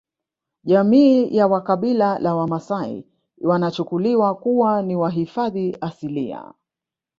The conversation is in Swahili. Jamii ya kabila la wamasai wanachukuliwa kuwa ni wahifadhi asilia